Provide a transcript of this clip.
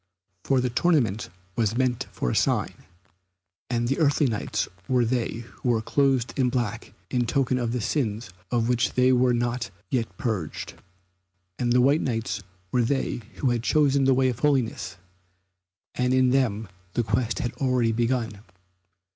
For the tournament was meant for a sign, and the earthly Knights were they who were clothed in black in token of the sins of which they were not yet purged. And the white Knights were they who had chosen the way of holiness, and in them the quest has already begun.